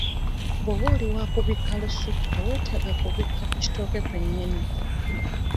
Bw'oba oli wa kubikka lusuku teweetaaga kubikka ku kitooke kwe nnyini.